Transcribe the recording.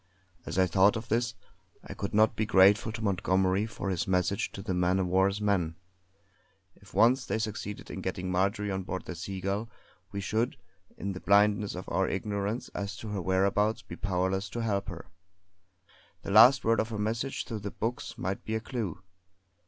As I thought of this, I could not but be grateful to Montgomery for his message to the man of war's men. If once they succeeded in getting Marjory on board the Seagull we should, in the blindness of our ignorance as to her whereabouts, be powerless to help her. The last word of her message through the books might be a clue.